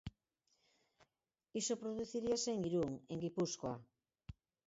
Iso produciríase en Irún, en Guipúscoa.